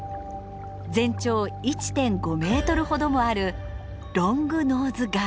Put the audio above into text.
全長１．５メートルほどもあるロングノーズガーです。